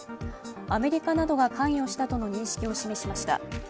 アメリカなどが関与したとの認識を示しました。